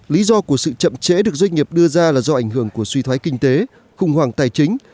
lý do của sự chậm chế được doanh nghiệp đưa ra là do ảnh hưởng của suy thoái kinh tế khủng hoảng tài chính